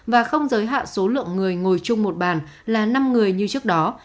và không giới hạn số lượng người ngồi chung một bàn là năm người như trước đó